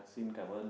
xin cảm ơn